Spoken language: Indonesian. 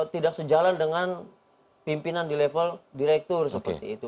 tidak sejalan dengan pimpinan di level direktur seperti itu